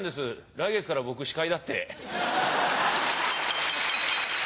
来月から僕司会だって。